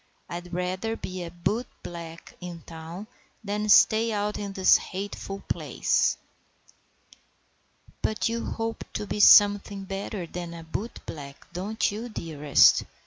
I'd rather be a bootblack in town than stay out in this hateful place." "But you hope to be something better than a bootblack, don't you, dearest?"